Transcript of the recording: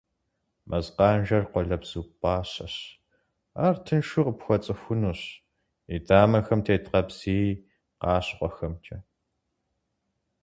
Мэз къанжэр къуалэбзу пӏащэщ, ар тыншу къыпхуэцӏыхунущ и дамэхэм тет къабзий къащхъуэхэмкӏэ.